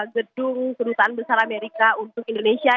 gedung kedutaan besar amerika untuk indonesia